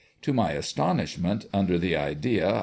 To my astonishment, under the idea